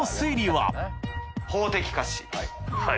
はい。